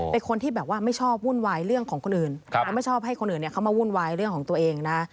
เป็นคนที่แบบว่าไม่ชอบวุ่นวายเรื่องของคนอื่นแล้วไม่ชอบให้คนอื่นเข้ามาวุ่นวายเรื่องของตัวเองนะ